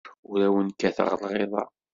Ur awen-kkateɣ lɣiḍa.